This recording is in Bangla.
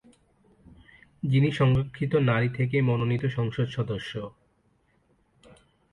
যিনি সংরক্ষিত নারী থেকে মনোনীত সংসদ সদস্য।